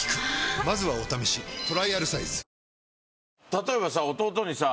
例えばさ弟にさ